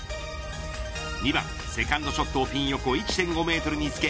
２番セカンドショットをピン横１．５メートルにつけ